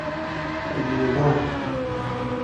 فیلو لام